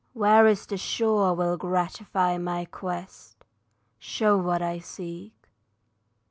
Where is the shore will gratify my quest, Show what I seek?